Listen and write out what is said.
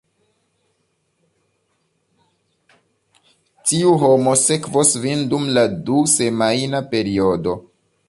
Tiu homo sekvos vin dum la du-semajna periodo.